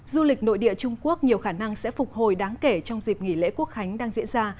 du lịch nội địa trung quốc nhiều khả năng sẽ phục hồi đáng kể trong dịp nghỉ lễ quốc khánh đang diễn ra